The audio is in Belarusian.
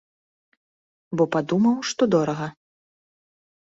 Бо падумаў, што дорага.